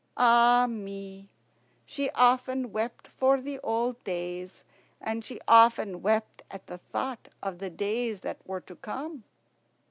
Ah me! she often wept for the old days, and she often wept at the thought of the days that were to come.